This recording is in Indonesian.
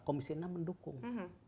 komisi enam mendukung